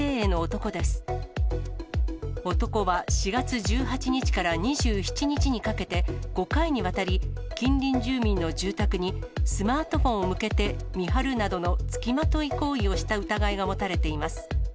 男は４月１８日から２７日にかけて、５回にわたり、近隣住民の住宅にスマートフォンを向けて見張るなどの付きまとい行為をした疑いが持たれています。